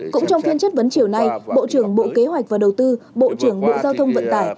cũng trong phiên chất vấn chiều nay bộ trưởng bộ kế hoạch và đầu tư bộ trưởng bộ giao thông vận tải